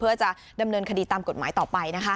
เพื่อดำเนินคดีตามกฎหมายต่อไป